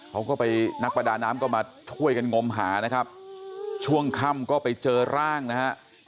เขาก็ไปนักประดาน้ำก็มาช่วยกันงมหานะครับช่วงค่ำก็ไปเจอร่างนะฮะ